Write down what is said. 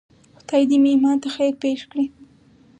خدای دې مې ایمان ته خیر پېښ کړي.